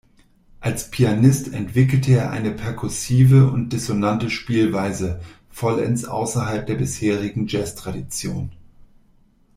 Als Pianist entwickelte er eine perkussive und dissonante Spielweise vollends außerhalb der bisherigen Jazztradition.